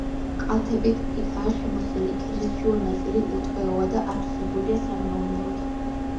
კალთები ტყითაა შემოსილი, ქედის შუა ნაწილი უტყეოა და ათვისებულია სამეურნეოდ.